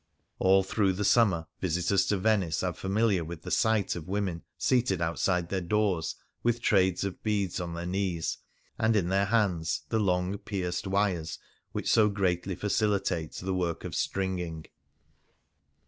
All through the summer visitors to Venice are familiar with the sight of women seated outside their doors with trays of beads on their knees, and in their hands the long pierced wires which so greatly facilitate the work of stringing.